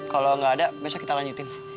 kalau nggak ada besok kita lanjutin